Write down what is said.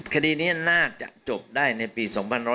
คดีนี้น่าจะจบได้ในปี๒๕๖๐